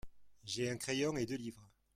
J'ai un crayon et deux livres.